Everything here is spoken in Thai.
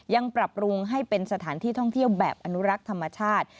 ยังปรับปรุงให้เป็นสถานที่ท่องเที่ยวแบบอนุรักษ์ธรรมชาติ